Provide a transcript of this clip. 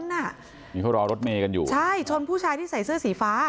นี่เขารอรถเมย์กันอยู่ใช่ชนผู้ชายที่ใส่เสื้อสีฟ้า